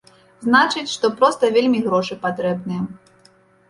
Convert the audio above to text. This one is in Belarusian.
Значыць, што проста вельмі грошы патрэбныя.